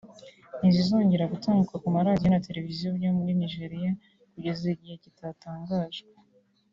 ntizizongera gutambuka ku maradiyo na Televiziyo byo muri Nigeria kugeza igihe kitatangajwe